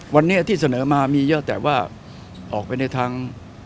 วันนี้ที่เสนอมามีเยอะแต่ว่าออกไปในทาง